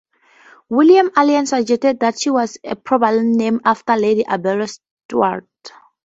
William Allen suggests that she was probably named after Lady Arbella Stuart.